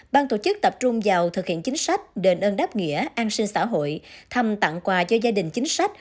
ban tổ chức tập trung vào thực hiện chính sách đền ơn đáp nghĩa an sinh xã hội thăm tặng quà cho gia đình chính sách